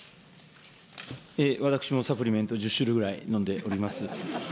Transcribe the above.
私もサプリメント１０種類ぐらいのんでおります。